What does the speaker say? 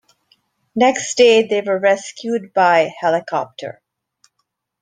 Next day, they were rescued by helicopter.